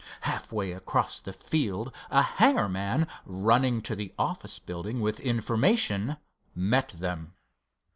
Half way across the field, a hangar man running to the office building with information, met them.